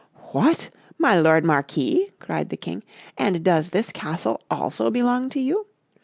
"What! my lord Marquis?" cried the King, "and does this castle also belong to you?